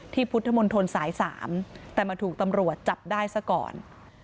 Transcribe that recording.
พุทธมนตรสาย๓แต่มาถูกตำรวจจับได้ซะก่อน